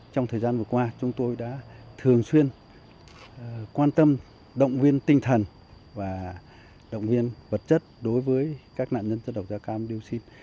trong thời gian vừa qua chúng tôi đã thường xuyên quan tâm động viên tinh thần và động viên vật chất đối với các nạn nhân chất độc da cam dioxin